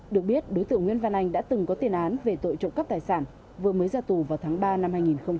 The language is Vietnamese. được biết đối tượng nguyễn văn anh đã từng có tiền án về tội trộm cắp tài sản vừa mới ra tù vào tháng ba năm hai nghìn hai mươi